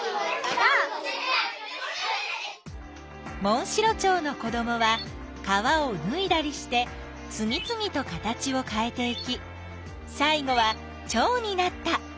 モンシロチョウの子どもはかわをぬいだりしてつぎつぎと形をかえていきさい後はチョウになった。